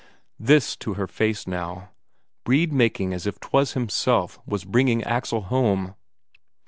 This to her face now: Brede making as if 'twas himself was bringing Axel home!